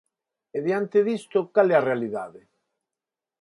E diante disto, ¿cal é a realidade?